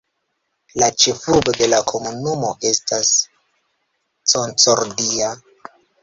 La ĉefurbo de la komunumo estas Concordia.